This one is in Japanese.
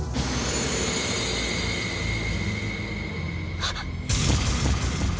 あっ。